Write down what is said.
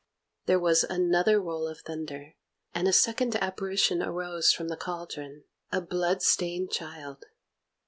There was another roll of thunder, and a second Apparition arose from the cauldron, a blood stained Child.